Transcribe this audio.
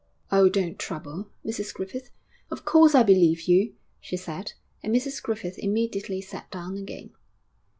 'Oh, don't trouble, Mrs Griffith; of course I believe you,' she said, and Mrs Griffith immediately sat down again.